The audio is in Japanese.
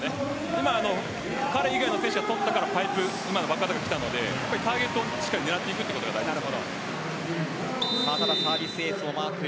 今、彼以外の選手が取ったからバックアタックがきたのでターゲットを狙っていくのが大事です。